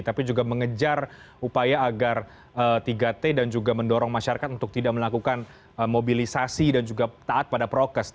tapi juga mengejar upaya agar tiga t dan juga mendorong masyarakat untuk tidak melakukan mobilisasi dan juga taat pada prokes